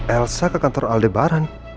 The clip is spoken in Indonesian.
elsa ke kantor aldebaran